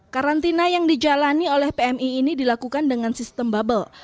karantina yang dijalani oleh pmi ini dilakukan dengan sistem bubble